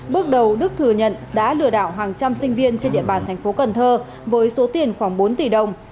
bước đầu đức thừa nhận đã lừa đảo hàng trăm sinh viên trên địa bàn thành phố cần thơ với số tiền khoảng bốn tỷ đồng